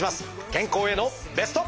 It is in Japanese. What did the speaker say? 健康へのベスト。